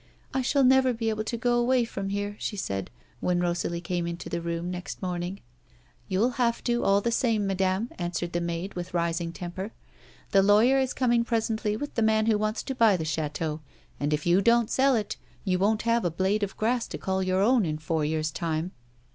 "I shall never be able to go away from here," she said when Rosalie came into the room the next morning. " You'll have to, all the same, madame," answered the maid with rising temper. " The lawyer is coming presently with the man who wants to buy the chateau, and, if you don't sell it, you won't have a blade of grass to call your own in four years' time."